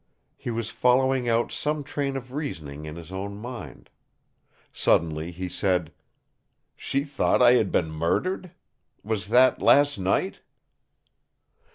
He was following out some train of reasoning in his own mind. Suddenly he said: "She thought I had been murdered! Was that last night?"